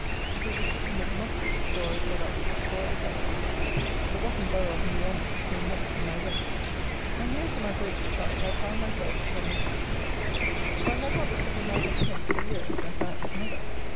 It is a system that must be destroyed, or that will destroy the country. The rotten borough of New Romney came next in my way; and here, to my great surprise, I found myself upon the sea beach; for I had not looked at a map of Kent for years, and, perhaps, never.